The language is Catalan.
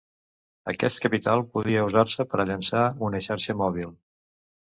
Aquest capital podria usar-se per a llançar una xarxa mòbil.